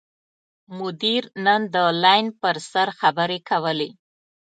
مدیر نن د لین پر سر خبرې کولې.